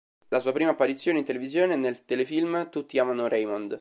La sua prima apparizione in televisione è nel telefilm "Tutti amano Raymond".